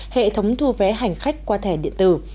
hệ thống thu vé hành khách qua thẻ điện tử